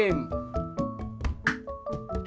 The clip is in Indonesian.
semoga harusu